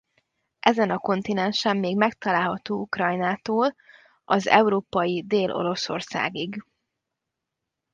Ezen a kontinensen még megtalálható Ukrajnától az európai Dél-Oroszországig.